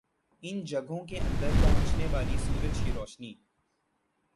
ان جگہوں کے اندر پہنچنے والی سورج کی روشنی